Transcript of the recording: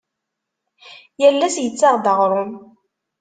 Yal ass ittaɣ-d aɣrum.